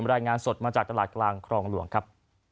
รายงานสดมาจากตลาดกลางครองหลวงครับ